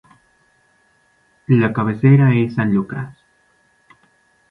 La cabecera es San Lucas.